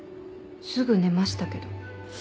すぐ寝ましたけど。